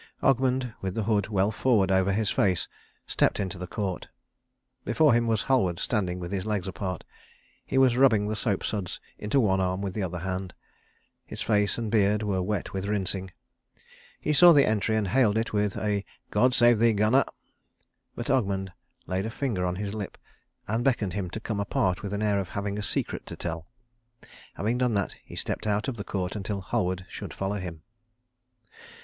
Ogmund with the hood well forward over his face stepped into the court. Before him was Halward, standing with his legs apart. He was rubbing the soap suds into one arm with the other hand. His face and beard were wet with rinsing. He saw the entry and hailed it with a "God save thee, Gunnar"; but Ogmund laid a finger on his lip and beckoned him to come apart with an air of having a secret to tell. Having done that, he stepped out of the court until Halward should follow him.